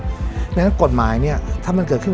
ดังนั้นกฎหมายนี้ถ้ามันเกิดขึ้น